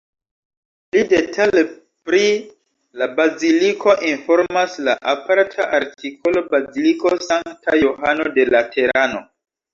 Pli detale pri la baziliko informas la aparta artikolo Baziliko Sankta Johano de Laterano.